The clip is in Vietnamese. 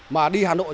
mà đi hà nội